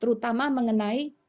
terutama mengenai bumkg